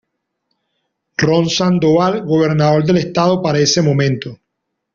Ron Sandoval Gobernador del Estado para ese momento.